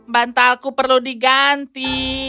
bantalku perlu diganti